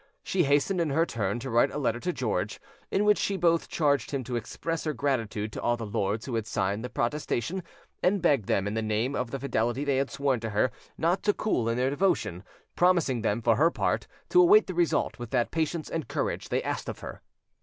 She hastened, in her turn, to write a letter to George, in which she both charged him to express her gratitude to all the lords who had signed the protestation; and begged them, in the name of the fidelity they had sworn to her, not to cool in their devotion, promising them, for her part, to await the result with that patience and courage they asked of her.